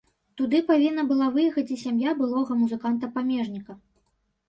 Туды павінна была выехаць і сям'я былога музыканта-памежніка.